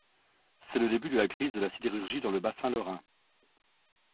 C'est le début de la crise de la sidérurgie dans le bassin lorrain.